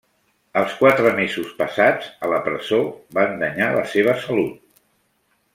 Els quatre mesos passats a la presó van danyar la seva salut.